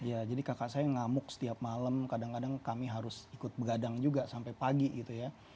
ya jadi kakak saya ngamuk setiap malam kadang kadang kami harus ikut begadang juga sampai pagi gitu ya